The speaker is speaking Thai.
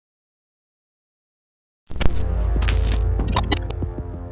ร่ะ